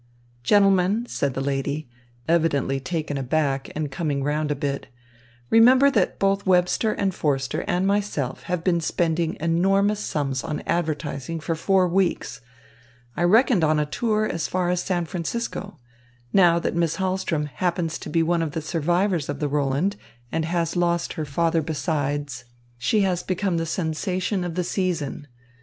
"Gentlemen," said the lady, evidently taken aback and coming round a bit, "remember that both Webster and Forster and myself have been spending enormous sums on advertising for four weeks. I reckoned on a tour as far as San Francisco. Now that Miss Hahlström happens to be one of the survivors of the Roland and has lost her father besides, she has become the sensation of the season.